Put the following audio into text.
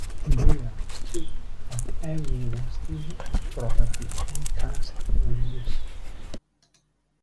They are stripped of every vestige of property and caste prejudice.